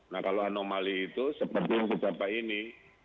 nah kalau anomali itu seperti yang dicatat pak ini